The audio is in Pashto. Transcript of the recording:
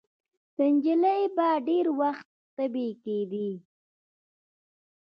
د نجلۍ به ډېر وخت تبې کېدې.